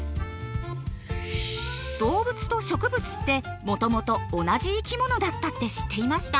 動物と植物ってもともと同じ生き物だったって知っていました？